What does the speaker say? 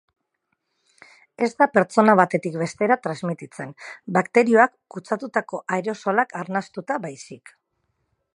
Ez da pertsona batetik bestera transmititzen, bakterioak kutsatutako aerosolak arnastuta baizik.